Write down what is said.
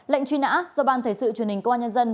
lệnh truy nã do ban thể sự truyền hình công an nhân dân